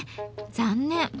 残念。